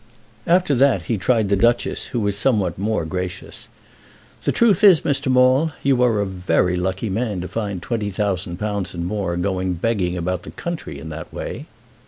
After that he tried the Duchess, who was somewhat more gracious. "The truth is, Mr. Maule, you are a very lucky man to find twenty thousand pounds and more going begging about the country in that way."